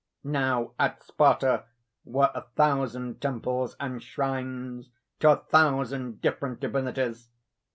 Now, at Sparta were a thousand temples and shrines to a thousand different divinities.